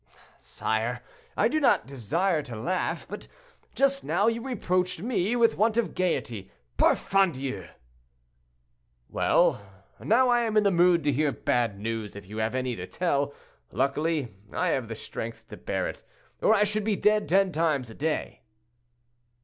"Oh! sire, I do not desire to laugh, but just now you reproached me with want of gayety, parfandious!" "Well, now I am in the mood to hear bad news, if you have any to tell. Luckily I have strength to bear it, or I should be dead ten times a day."